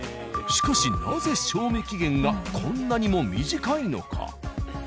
しかしなぜ賞味期限がこんなにも短いのか？